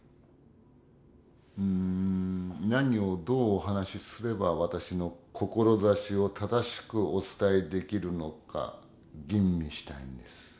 うん何をどうお話しすれば私の志を正しくお伝えできるのか吟味したいんです。